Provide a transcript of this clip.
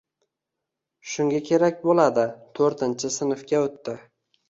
Shunga kerak boʻladi. Toʻrtinchi sinfga oʻtdi…